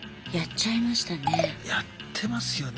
やってますよね